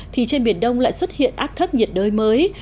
thì trên biển đông lại xuất hiện áp thấp nhiệt đới mới